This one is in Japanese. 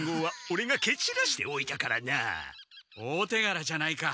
大手がらじゃないか。